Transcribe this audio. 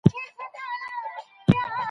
آیا عیاشي د حکومت د سقوط لامل کیږي؟